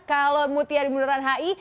kalau mutia di bundaran hi